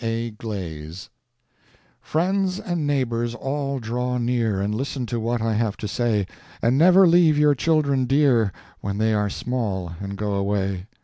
A. Glaze Friends and neighbors all draw near, And listen to what I have to say; And never leave your children dear When they are small, and go away.